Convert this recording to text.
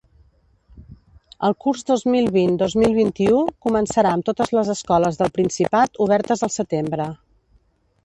El curs dos mil vint-dos mil vint-i-u començarà amb totes les escoles del Principat obertes al setembre.